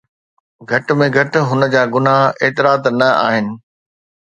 گهٽ ۾ گهٽ هن جا گناهه ايترا ته نه آهن.